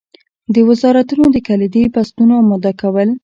د وزارتونو د کلیدي بستونو اماده کول.